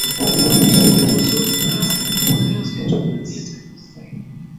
mwandishi wetu zuhra mwera ametuandalia taarifa zaidi